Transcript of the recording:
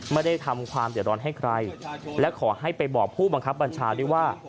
ไม่ได้ทำความเดือดร้อนให้ใครและขอให้ไปบอกผู้บังคับบัญชาด้วยว่า